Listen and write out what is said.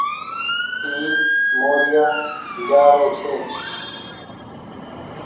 اي موريآ جآ رو ڇي۔